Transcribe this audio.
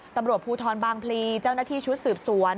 ตำรวจภูทรบางพลีเจ้าหน้าที่ชุดสืบสวน